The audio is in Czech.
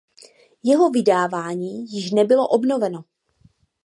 Jeho vydávání již nebylo obnoveno.